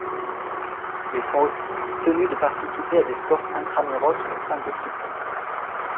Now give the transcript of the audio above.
Ils sont aussi tenus de participer à des sports intra-muros au sein d'équipe.